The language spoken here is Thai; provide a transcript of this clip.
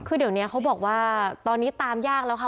คือเดี๋ยวนี้เขาบอกว่าตอนนี้ตามยากแล้วค่ะ